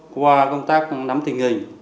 qua công tác nắm tình hình